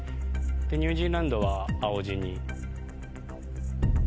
ニュージーランドは青地に。